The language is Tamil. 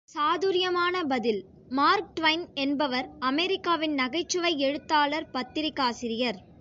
சாதுர்யமான பதில் மார்க் ட்வைன் என்பவர் அமெரிக்காவின் நகைச்சுவை எழுத்தாளர் பத்திரிகாசிரியர்.